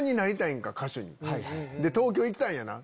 東京行きたいんやな！